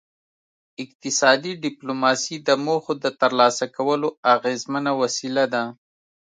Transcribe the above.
اقتصادي ډیپلوماسي د موخو د ترلاسه کولو اغیزمنه وسیله ده